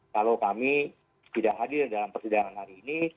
kalau kami tidak hadir dalam persidangan hari ini